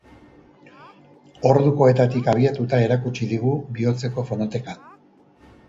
Ordukoetatik abiatuta erakutsi digu bihotzeko fonoteka.